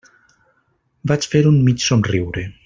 Vaig fer un mig somriure.